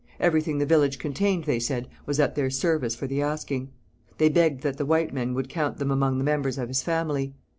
Everything the village contained, they said, was at their service for the asking. They begged that the white chief would count them among the members of his family.